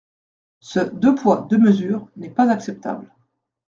Ce « deux poids, deux mesures » n’est pas acceptable.